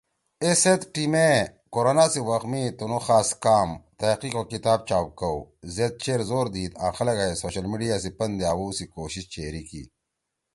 ای سیت ٹیم ئے کورونا سی وقت می تُنُو خاص کام، تحقیق او کتاب چاپ کؤ، زید چیر زور دیِد آں خلگا ئے سوشل میڈیا سی پندے آوؤ سی کوشش چیری کی۔